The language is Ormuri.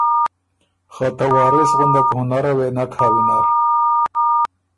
خه ته وارث غندک هُنره وې نک هۀ وینر۔